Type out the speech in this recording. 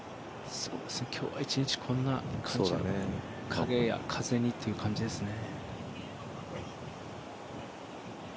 今日は一日こんな感じ、影や風にって感じですね。